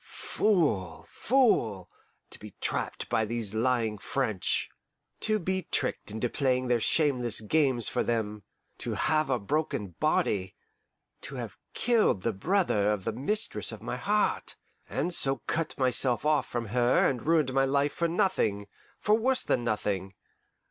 Fool, fool! to be trapped by these lying French! To be tricked into playing their shameless games for them, to have a broken body, to have killed the brother of the mistress of my heart, and so cut myself off from her and ruined my life for nothing for worse than nothing!